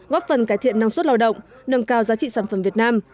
góp phần cải thiện năng suất lao động nâng cao giá trị sản phẩm việt nam